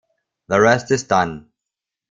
The rest is done.